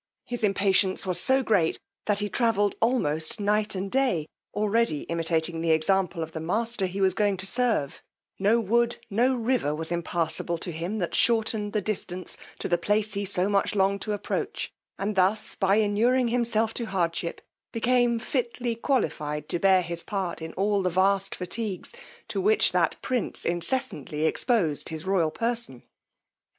His impatience was so great, that he travelled almost night and day, already imitating the example of the master he was going to serve; no wood, no river was impassable to him that shortened the distance to the place he so much longed to approach: and thus by inuring himself to hardship, became fitly qualified to bear his part in all the vast fatigues to which that prince incessantly exposed his royal person.